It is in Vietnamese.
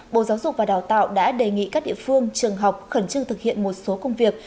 bộ giáo dục và đào tạo đã đề nghị các địa phương trường học khẩn trương thực hiện một số công việc